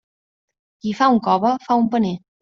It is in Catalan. Qui fa un cove, fa un paner.